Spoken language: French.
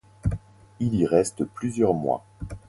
Il y reste plusieurs mois.